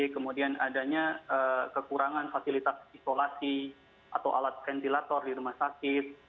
kemudian adanya kekurangan fasilitas isolasi atau alat ventilator di rumah sakit